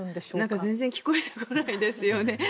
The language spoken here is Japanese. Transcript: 全然聞こえてこないですよね。